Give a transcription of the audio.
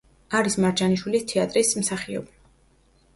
არის მარჯანიშვილის თეატრის მსახიობი.